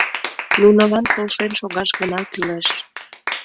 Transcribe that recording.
Нунылан полшен шогаш гына кӱлеш...